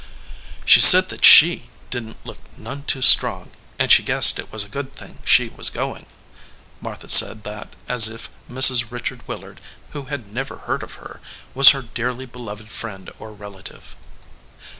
"She said that She didn t look none too strong, and she guessed it was a good thing She was go ing." Martha said that as if Mrs. Richard Wil lard, who had never heard of her, was her dearly beloved friend or relative.